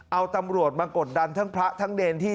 เอาตำรวจมากดดันทั้งพระทั้งเนรที่